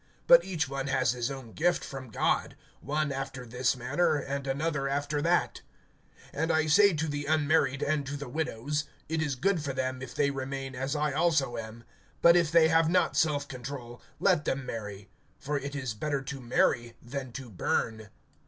But each one has his own gift from God, one after this manner, and another after that. (8)And I say to the unmarried and the widows, it is good for them if they remain as I also am. (9)But if they have not self control, let them marry; for it is better to marry than to burn.